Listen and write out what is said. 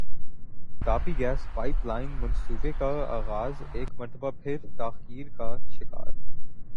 Tapi gas pipeline منصوبے کا اغاز ایک مرتبہ پھر تاخیر کا شکار